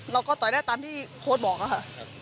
เราก็ต่อยได้ตามที่โค้ดบอกครับค่ะ